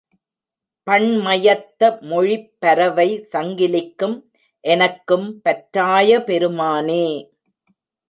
பண்மயத்த மொழிப் பரவை சங்கிலிக்கும் எனக்கும் பற்றாய பெருமானே!